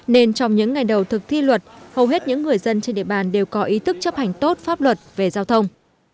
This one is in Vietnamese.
nên trong những ngày đầu thực thi luật hầu hết những người dân trên địa bàn đều có ý thức chấp hành tốt pháp luật về giao thông